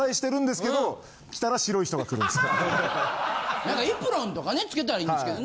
なんかエプロンとかねつけたらいいんですけどね。